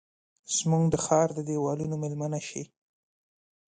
زموږ د ښارد دیوالونو میلمنه شي